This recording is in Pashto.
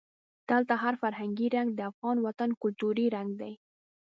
دلته هر فرهنګي رنګ د افغان وطن کلتوري رنګ دی.